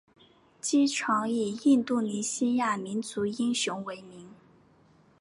机场以印度尼西亚民族英雄为名。